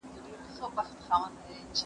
خواړه د زهشوم له خوا ورکول کيږي!